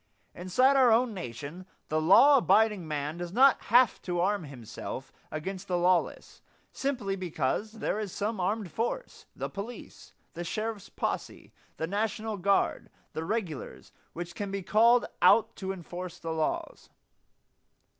Inside our own nation the law abiding man does not have to arm himself against the lawless simply because there is some armed force the police, the sheriff's posse, the national guard, the regulars which can be called out to enforce the laws.